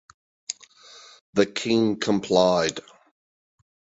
The king complied.